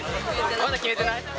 まだ決めてない？